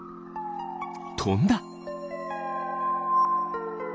とんだ！